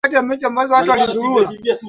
ili kuzuia nyumbu kuvuka kuelekea nchini Kenya